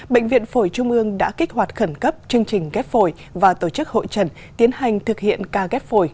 bệnh viện phổi trung ương đã kích hoạt khẩn cấp chương trình ghép phổi và tổ chức hội trần tiến hành thực hiện ca ghép phổi